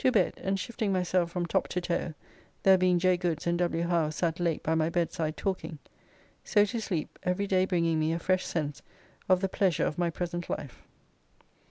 To bed, and shifting myself from top to toe, there being J. Goods and W. Howe sat late by my bedside talking. So to sleep, every day bringing me a fresh sense of the pleasure of my present life.